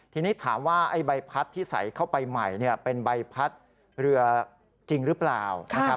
ทีนี้ถามว่าไอ้ใบพัดที่ใส่เข้าไปใหม่เป็นใบพัดเรือจริงหรือเปล่านะครับ